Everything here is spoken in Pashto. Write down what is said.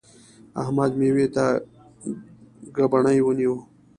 احمد؛ مېوې ته ګبڼۍ ونیو.